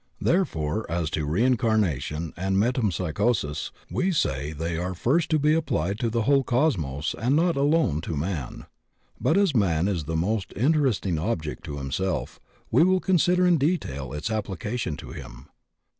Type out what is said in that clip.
There fore as to reincarnation and metempsychosis we say that they are first to be applied to the whole cosmos and not alone to man. But as man is the most inter f REINCARNATION AN ANCIENT DOCTRINE 63 esting object to himself, we will consider in detail its application to him.